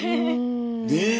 ねえ。